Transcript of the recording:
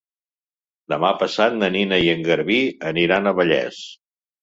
Demà passat na Nina i en Garbí aniran a Vallés.